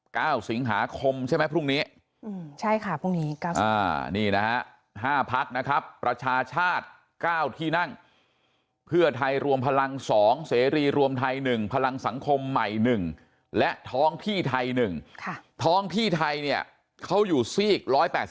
ก้าวสิงหาคมใช่ไหมพรุ่งนี้ใช่ค่ะพรุ่งนี้ก้าวสิงหาคมนี่นะฮะ๕พักนะครับประชาชาติ๙ที่นั่งเพื่อไทยรวมพลัง๒เสรีรวมไทย๑พลังสังคมใหม่๑และท้องที่ไทย๑ท้องที่ไทยเนี่ยเขาอยู่ซีก๑๘๘